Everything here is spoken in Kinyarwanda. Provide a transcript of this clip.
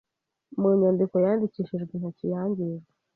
Mu inyandiko yandikishijwe intoki yangijwe